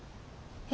え？